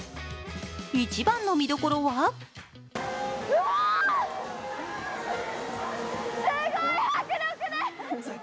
一番の見どころはうわ、すごい迫力です。